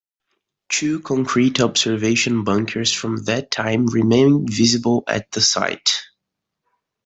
Two concrete observation bunkers from that time remain visible at the site.